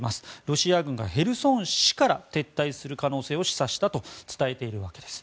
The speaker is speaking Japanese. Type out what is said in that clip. ロシア軍がヘルソン市から撤退する可能性を示唆したと伝えているわけです。